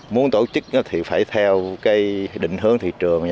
muốn tổ chức thì phải theo cái định hướng thị trường